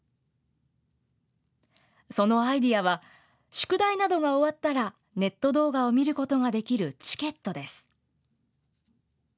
そのアイデアは、宿題などが終わったらネット動画を見ることができるチケットです。